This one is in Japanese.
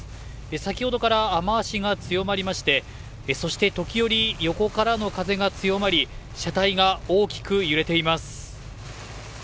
先ほどから雨脚が強まりましてそして時折、横からの風が強まり車体が大きく揺れています。